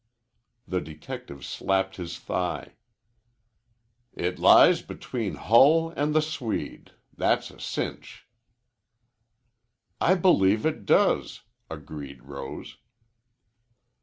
The detective slapped his thigh. "It lies between Hull and the Swede. That's a cinch." "I believe it does," agreed Rose.